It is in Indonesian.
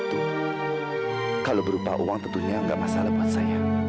jika berubah uang itu tidak masalah untuk saya